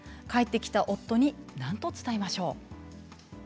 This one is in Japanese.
帰ってきた夫に何と伝えましょう？